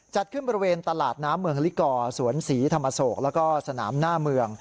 จัดขึ้นบริเวณตลาดน้ำเมืองลิกอร์สวนศรีธรรมโศกแล้วก็สนามหน้าเมือง